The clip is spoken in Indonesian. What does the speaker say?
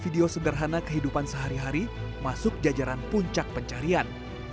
video sederhana kehidupan sehari hari masuk jajaran puncak pencarian